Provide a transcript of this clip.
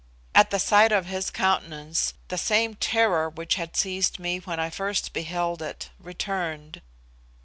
At the sight of his countenance, the same terror which had seized me when I first beheld it returned.